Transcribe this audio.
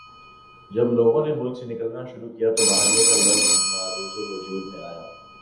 جب لوگوں نے ملک سے نکلنا شروع کیا تو باہرلے کا لفظ معرض وجود میں آیا